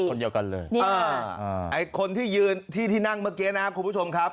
คนเดียวกันเลยอ่าไอ้คนที่ยืนที่ที่นั่งเมื่อกี้นะครับคุณผู้ชมครับ